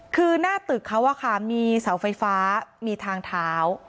คือหน้าตึกเขามีเสาไฟฟ้ามีทางเท้า